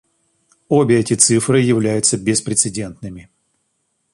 Обе эти цифры являются беспрецедентными.